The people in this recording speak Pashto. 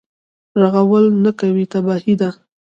رغول نه کوي تباهي ده.